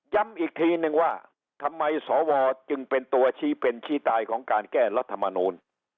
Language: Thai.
อีกทีนึงว่าทำไมสวจึงเป็นตัวชี้เป็นชี้ตายของการแก้รัฐมนูล